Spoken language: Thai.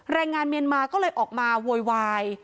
แรงงานเมียนมาก็เลยออกมาโวยวาย